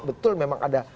betul memang ada